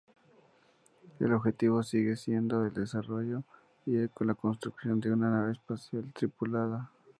El objetivo sigue siendo el desarrollo y la construcción de una nave espacial tripulada.